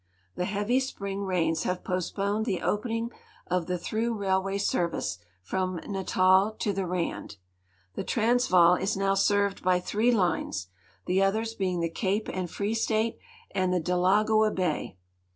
The heavy spring rains have postponed the opening of the through railway .service from Natal to the Rand. The Transvaal is now served liy three lines, the otliers l)(*ing the Cape and Free State and the Delagoa bay.